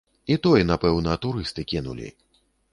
І той, напэўна, турысты кінулі.